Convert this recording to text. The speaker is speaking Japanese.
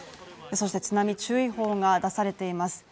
そして津波注意報が出されています。